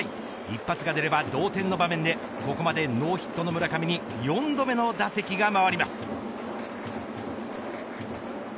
一発が出れば同点の場面でここまでノーヒットの村上に４度目の打席が回ります。